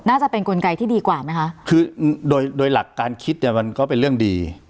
น่าจะเป็นกลไกที่ดีกว่าไหมคะคือโดยโดยหลักการคิดเนี่ยมันก็เป็นเรื่องดี